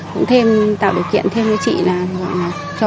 cũng tạo điều kiện thêm cho chị